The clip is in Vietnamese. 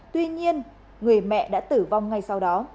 tuy nhiên người mẹ đã tử vong ngay sau đó